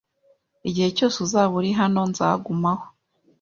Igihe cyose uzaba uri hano, nzagumaho.